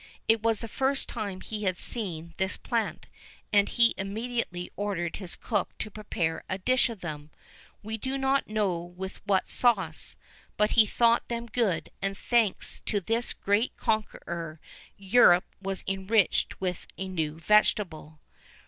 It was the first time that he had seen this plant, and he immediately ordered his cook to prepare a dish of them we do not know with what sauce; but he thought them good, and, thanks to this great conqueror, Europe was enriched with a new vegetable.